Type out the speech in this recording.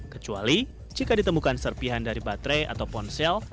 kecuali jika ditemukan serpihan dari baterai atau ponsel